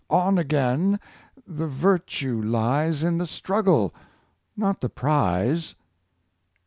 On again ; the virtue lies In the struggle, not the prize.''